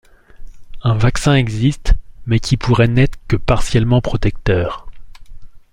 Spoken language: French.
Un vaccin existe, mais qui pourrait n'être que partiellement protecteur.